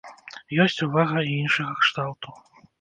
Ёсць увага і іншага кшталту.